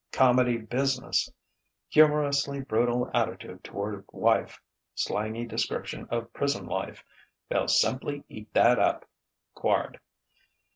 Comedy business: humorously brutal attitude toward wife; slangy description of prison life. ("They'll simply eat that up!" _Quard.